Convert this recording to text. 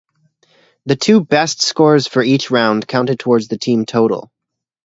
The best two scores for each round counted towards the team total.